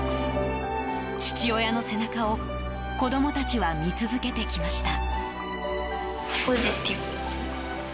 父親の背中を子供たちは見続けてきました。